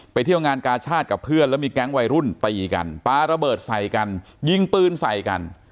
เที่ยวงานกาชาติกับเพื่อนแล้วมีแก๊งวัยรุ่นตีกันปลาระเบิดใส่กันยิงปืนใส่กัน